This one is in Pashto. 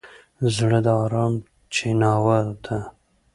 زړه د ارام چیناوه ده.